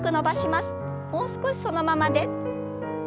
もう少しそのままで。